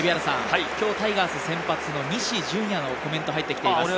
今日タイガース先発の西純矢のコメントが入ってきています。